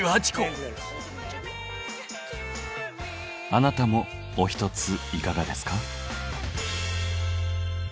あなたもおひとついかがですか？